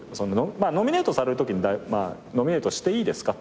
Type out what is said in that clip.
ノミネートされるときにノミネートしていいですか？